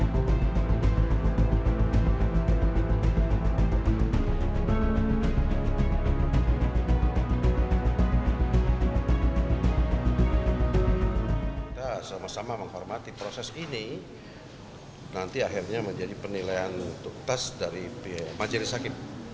kita sama sama menghormati proses ini nanti akhirnya menjadi penilaian untuk tes dari majelis hakim